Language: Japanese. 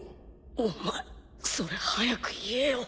お前それ早く言えよ。